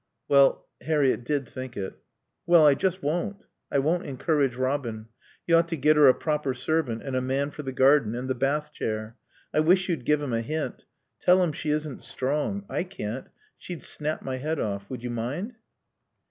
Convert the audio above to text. "Well " Harriett did think it. "Well, I just won't. I won't encourage Robin. He ought to get her a proper servant and a man for the garden and the bath chair. I wish you'd give him a hint. Tell him she isn't strong. I can't. She'd snap my head off. Would you mind?"